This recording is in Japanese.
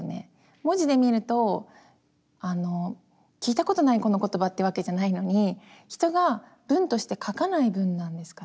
文字で見ると「聞いたことないこの言葉」ってわけじゃないのに人が文として書かない文なんですかね。